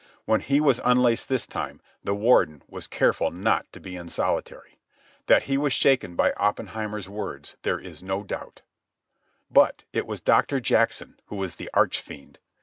When he was unlaced this time, the Warden was careful not to be in solitary. That he was shaken by Oppenheimer's words there is no doubt. But it was Doctor Jackson who was the arch fiend.